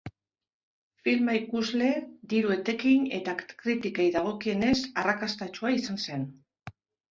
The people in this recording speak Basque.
Filma ikusle, diru etekin eta kritikei dagokienez arrakastatsua izan zen.